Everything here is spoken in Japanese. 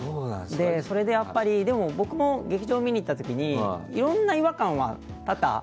でも、僕も劇場に見に行った時にいろんな違和感は多々。